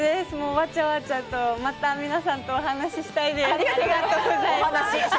わちゃわちゃと、また皆さんとお話したいです。